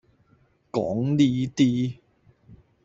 講呢啲